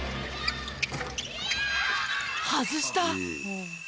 外した。